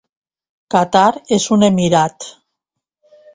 Qatar és un emirat.